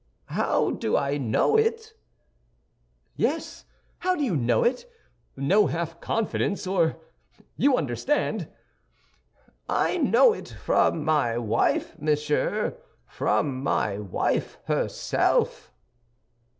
"How do I know it?" "Yes, how do you know it? No half confidence, or—you understand!" "I know it from my wife, monsieur—from my wife herself."